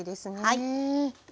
はい。